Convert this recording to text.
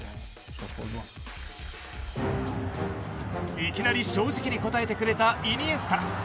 いきなり正直に答えてくれたイニエスタ。